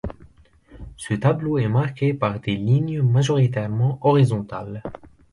Ce tableau est marqué par des lignes majoritairement horizontales.